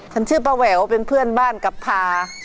ฉันชื่อป้าแหววเป็นเพื่อนบ้านกับพา